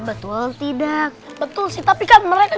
betul tidak betul sih tapi kan mereka